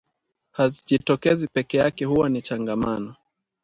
Hazijitokezi peke yake huwa ni changamano